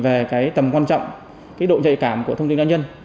về tầm quan trọng độ nhạy cảm của thông tin cao nhân